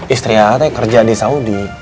istri saya kerja di saudi